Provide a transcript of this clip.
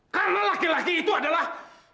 karena laki laki itu adalah